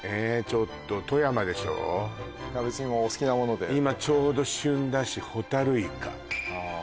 ちょっと別にもうお好きなもので今ちょうど旬だしホタルイカああ